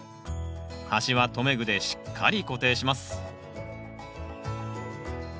端は留め具でしっかり固定します